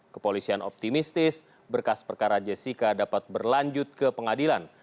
kepolisian optimistis berkas perkara jessica dapat berlanjut ke pengadilan